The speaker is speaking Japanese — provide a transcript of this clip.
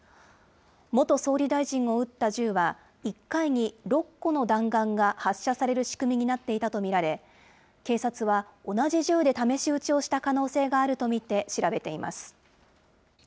元総理大臣を撃った銃は、１回に６個の弾丸が発射される仕組みになっていたと見られ、警察は、同じ銃で試し撃ちをした可能性があると見て調べています。